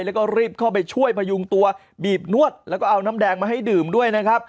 แล้วก็รีบเข้าไปช่วยพยุงตัวบีบนวดแล้วก็เอาน้ำแดงมาให้ดื่มด้วยนะครับ